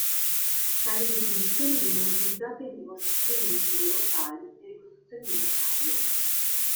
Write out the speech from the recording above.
Tali riproduzioni vengono utilizzate in dimostrazioni di tiro, palii e ricostruzioni di battaglie.